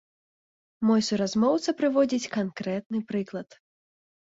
Мой суразмоўца прыводзіць канкрэтны прыклад.